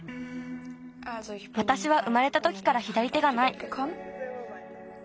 わたしは生まれたときから左手がない。